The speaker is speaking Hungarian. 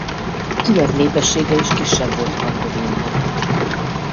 Kijev népessége is kisebb volt Harkovénál.